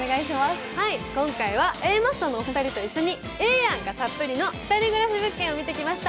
今回はＡマッソのお二人と一緒に２人暮らし物件を見てきました。